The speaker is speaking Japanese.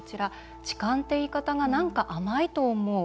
「痴漢って言い方がなんか甘いと思う。